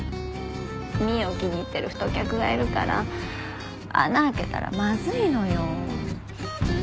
美依を気に入ってる太客がいるから穴開けたらまずいのよ。